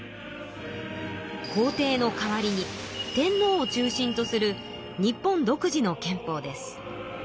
皇帝の代わりに天皇を中心とする日本独自の憲法です。